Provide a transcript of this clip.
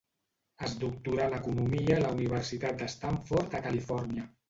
Es doctorà en economia a la Universitat de Stanford a Califòrnia.